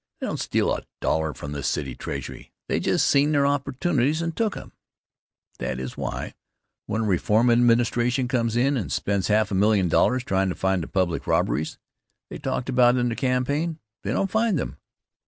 They didn't steal a dollar from the city treasury. They just seen their opportunities and took them. That is why, when a reform administration comes in and spends a half million dollars in tryin' to find the public robberies they talked about in the campaign, they don't find them.